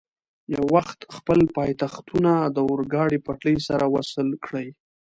یو وخت خپل پایتختونه د اورګاډي پټلۍ سره وصل کړي.